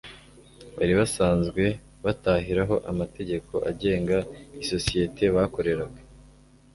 bari basanzwe batahiraho. amategeko agenga isosiyete bakoreraga